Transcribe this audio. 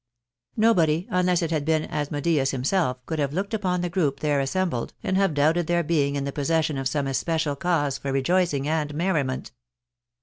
Nobody, unless it had been Asmodeus himself, could have looked upon the group there assembled, and have doubted their being in the possession of some especial cause for rejoicing and merriment.